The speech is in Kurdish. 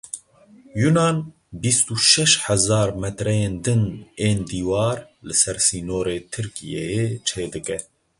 Yûnan bîst û şeş hezar metreyên din ên dîwar li ser sînorê Tirkiyeyê çêdike.